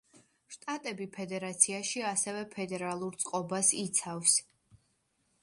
შტატები ფედერაციაში ასევე ფედერალურ წყობას იცავს.